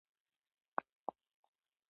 سرچینه هغه ځاي دی چې سیند ور څخه پیل کیږي.